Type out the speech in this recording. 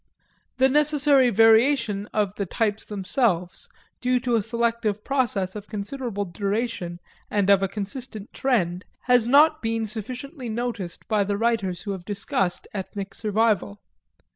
This necessary variation of the types themselves, due to a selective process of considerable duration and of a consistent trend, has not been sufficiently noticed by the writers who have discussed ethnic survival.